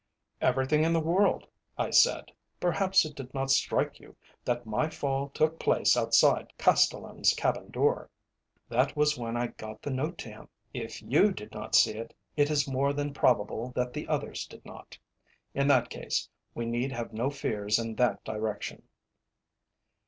"Everything in the world," I said. "Perhaps it did not strike you that my fall took place outside Castellan's cabin door. That was when I got the note to him. If you did not see it, it is more than probable that the others did not. In that case, we need have no fears in that direction."